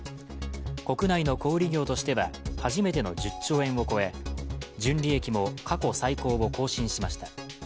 国内の小売業としては初めての１０兆円を超え純利益も過去最高を更新しました。